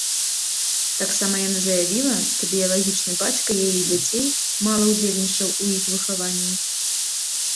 Таксама яна заявіла, што біялагічны бацька яе дзяцей мала ўдзельнічаў у іх выхаванні.